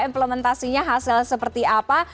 implementasinya hasil seperti apa